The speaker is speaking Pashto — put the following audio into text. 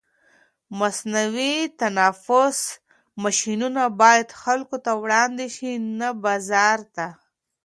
مصنوعي تنفس ماشینونه باید خلکو ته وړاندې شي، نه بازار ته.